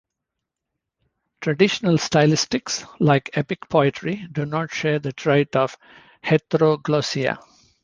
Traditional stylistics, like epic poetry, do not share the trait of heteroglossia.